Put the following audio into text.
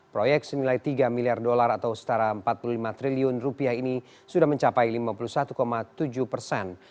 proyek senilai tiga miliar dolar atau setara empat puluh lima triliun rupiah ini sudah mencapai lima puluh satu tujuh persen